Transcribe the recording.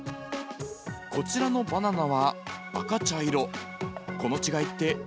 こちらのバナナは赤茶色。